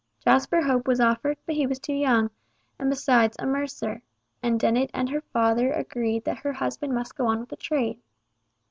Jasper Hope was offered, but he was too young, and besides, was a mercer—and Dennet and her father were agreed that her husband must go on with the trade.